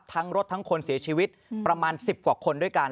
ทั้งรถทั้งคนเสียชีวิตประมาณ๑๐กว่าคนด้วยกัน